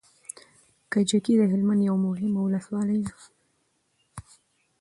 کجکی د هلمند يوه مهمه ولسوالي ده